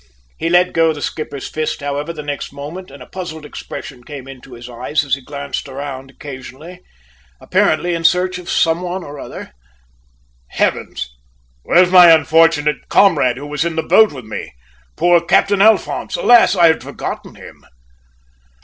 He let go the skipper's fist, however, the next moment and a puzzled expression came into his eyes as he glanced round occasionally, apparently in search of some one or other. "Heavens! Where's my unfortunate comrade who was in the boat with me poor Captain Alphonse? Alas, I had forgotten him!"